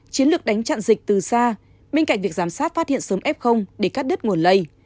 chiến lược đánh chặn dịch từ xa bên cạnh việc giám sát phát hiện sớm f để cắt đứt nguồn lây